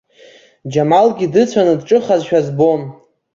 Џьамалгьы дыцәаны дҿыхазшәа збон.